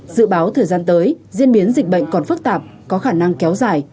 dự báo thời gian tới diễn biến dịch bệnh còn phức tạp có khả năng kéo dài